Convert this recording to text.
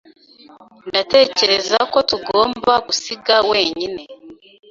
Ndatekereza ko tugomba gusiga wenyine.